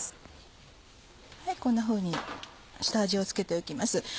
こんなふうに下味を付けておきます。